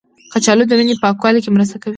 کچالو د وینې پاکوالي کې مرسته کوي.